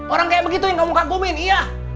orang kayak begitu yang kamu ngakumin iya